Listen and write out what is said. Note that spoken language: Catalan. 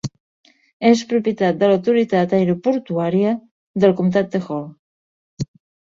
És propietat de l'autoritat aeroportuària del comtat de Hall.